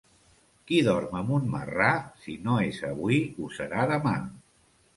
Qui dorm amb un marrà, si no és avui, ho serà demà.